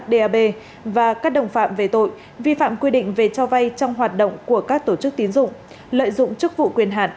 đab và các đồng phạm về tội vi phạm quy định về cho vay trong hoạt động của các tổ chức tín dụng lợi dụng chức vụ quyền hạt